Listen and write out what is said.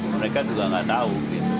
mereka juga nggak tahu